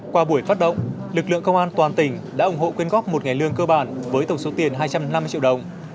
qua buổi phát động lực lượng công an toàn tỉnh đã ủng hộ quyên góp một ngày lương cơ bản với tổng số tiền hai trăm năm mươi triệu đồng